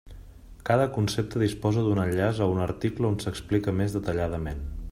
Cada concepte disposa d'un enllaç a un article on s'explica més detalladament.